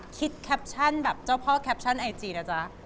แคปชั่นแบบเจ้าพ่อแคปชั่นไอจีนะจ๊ะ